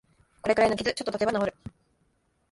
これくらいの傷、ちょっとたてば治る